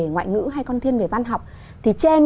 ngoại ngữ hay con thiên về văn học thì trên